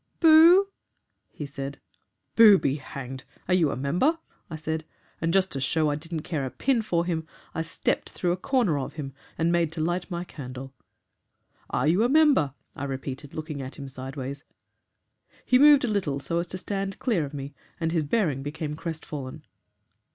'Boo oo,' he said. "'Boo be hanged! Are you a member?' I said; and just to show I didn't care a pin for him I stepped through a corner of him and made to light my candle. 'Are you a member?' I repeated, looking at him sideways. "He moved a little so as to stand clear of me, and his bearing became crestfallen.